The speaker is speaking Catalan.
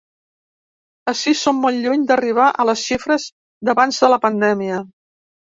Ací som molt lluny d’arribar a les xifres d’abans de la pandèmia.